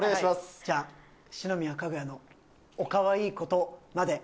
じゃあ、四宮かぐやのおかわいいことまで。